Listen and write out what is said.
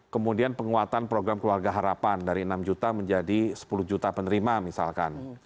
kemudian penguatan program keluarga harapan dari enam juta menjadi sepuluh juta penerima misalkan